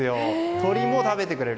鳥も食べてくれる。